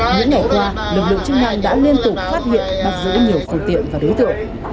những ngày qua lực lượng chức năng đã liên tục phát hiện bắt giữ nhiều phương tiện và đối tượng